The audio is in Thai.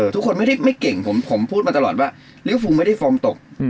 ทุกคนไม่ได้ไม่เก่งผมพูดมาตลอดว่าริวฟูไม่ได้ฟองตก